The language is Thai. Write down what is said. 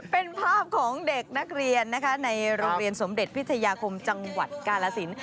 เป็นภาพของเด็กนักเรียนนะคะในโรงเรียนสมเด็จพิทยาคมจังหวัดกาลสิน